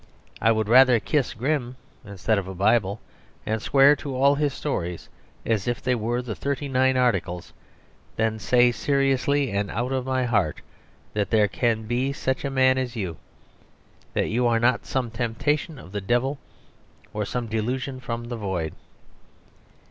I would rather kiss Grimm instead of a Bible and swear to all his stories as if they were thirty nine articles than say seriously and out of my heart that there can be such a man as you; that you are not some temptation of the devil or some delusion from the void.